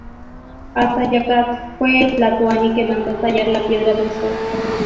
Axayácatl fue el tlatoani que mandó tallar la Piedra del Sol.